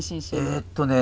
えっとね